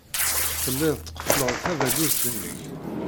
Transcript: Telliḍ tqeffleḍ tabagust-nnek.